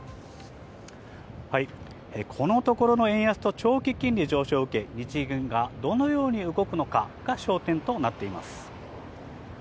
はい、このところの円安と長期金利上昇を受け、日銀がどのように動くのかが焦点となっています。